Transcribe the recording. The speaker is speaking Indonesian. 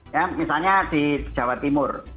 ya misalnya di jawa timur